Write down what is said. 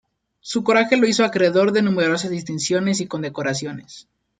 Su coraje lo hizo acreedor de numerosas distinciones y condecoraciones.